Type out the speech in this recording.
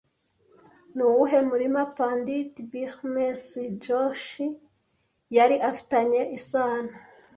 Nuwuhe murima Pandit Bhimsen Joshi yari afitanye isano